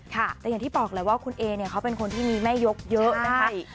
แต่อย่างที่บอกแหละว่าคุณเอเนี่ยเขาเป็นคนที่มีแม่ยกเยอะนะคะ